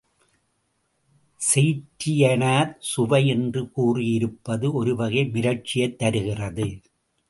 செயிற்றியனார் சுவை என்று கூறியிருப்பது ஒருவகை மிரட்சியைத் தருகிறது.